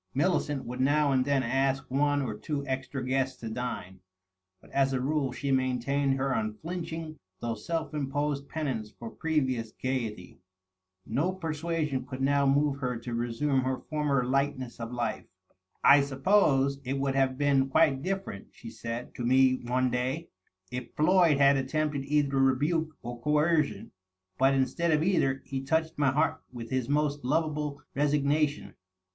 Millicent would now and then ask one or two extra guests to dine, but as a rule she maintained her unflinching though self imposed penance for previous gayety. No persuasion could now move her to resume her former light ness of life. " I suppose it would have been quite different," she said to me, one day, " if Floyd had attempted either rebuke or coercion. But instead of either, he touched my heart with his most lovable resig nation.